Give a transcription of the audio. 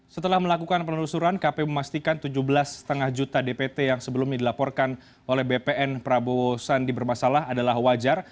setelah melakukan penelusuran kpu memastikan tujuh belas lima juta dpt yang sebelumnya dilaporkan oleh bpn prabowo sandi bermasalah adalah wajar